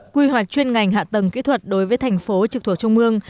quy hoạch chuyên ngành hạ tầng kỹ thuật đối với thành phố trực thuộc trung mương